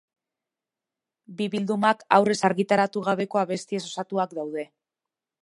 Bi bildumak aurrez argitaratu gabeko abestiez osatuak daude.